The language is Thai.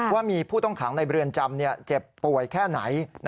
ว่ามีผู้ต้องขังในเรือนจำเจ็บป่วยแค่ไหน